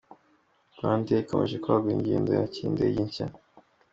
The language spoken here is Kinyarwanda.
Rwandeya ikomeje kwagura ingendo yakira indege nshya